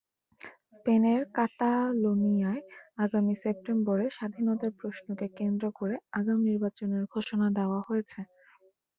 স্পেনের কাতালোনিয়ায় আগামী সেপ্টেম্বরে স্বাধীনতার প্রশ্নকে কেন্দ্র করে আগাম নির্বাচনের ঘোষণা দেওয়া হয়েছে।